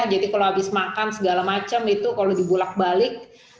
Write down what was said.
jadi kalau habis makan segala macam itu kalau dibulak balik